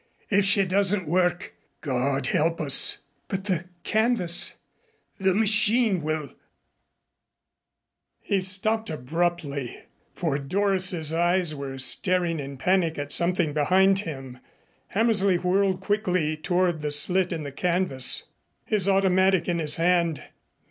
"If she doesn't work God help us " "But the canvas " "The machine will " He stopped abruptly, for Doris's eyes were staring in panic at something behind him. Hammersley whirled quickly toward the slit in the canvas, his automatic in his hand.